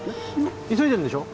急いでんでしょ？